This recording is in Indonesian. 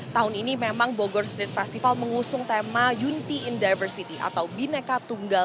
tahun ini memang bogor street festival mengusung tema unity in diversity atau bineka tunggal